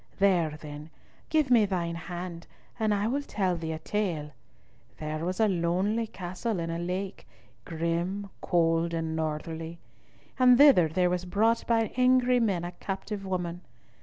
There, then, give me thine hand, and I will tell thee a tale. There was a lonely castle in a lake, grim, cold, and northerly; and thither there was brought by angry men a captive woman.